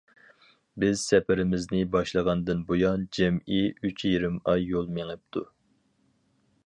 بىز سەپىرىمىزنى باشلىغاندىن بۇيان جەمئىي ئۇچ يېرىم ئاي يول مېڭىپتۇ.